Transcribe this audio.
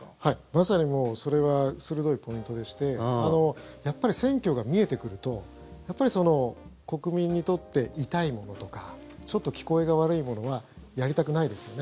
まさにもうそれは鋭いポイントでしてやっぱり選挙が見えてくると国民にとって痛いものとかちょっと聞こえが悪いものはやりたくないですよね。